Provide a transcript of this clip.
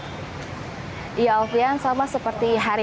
ya alfian sama seperti hari hari ini saya berbicara tentang sanksi